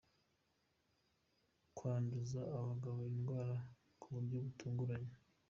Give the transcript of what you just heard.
Kwanduza abagabo indwara ku buryo butunguranye.